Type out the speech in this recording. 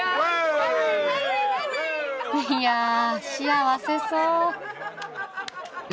いや幸せそう。